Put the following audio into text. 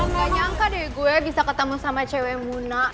nggak nyangka deh gue bisa ketemu sama cewek muna